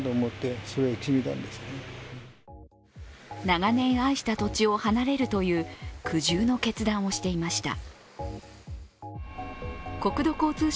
長年愛した土地を離れるという苦渋の決断をしていました。